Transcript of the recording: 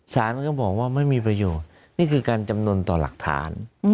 สารมันก็บอกว่าไม่มีประโยชน์นี่คือการจำนวนต่อหลักฐาน